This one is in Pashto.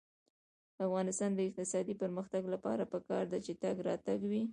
د افغانستان د اقتصادي پرمختګ لپاره پکار ده چې تګ راتګ وي.